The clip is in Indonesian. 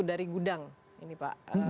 dari gudang ini pak